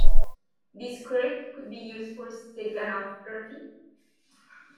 This quirk could be used for steganography.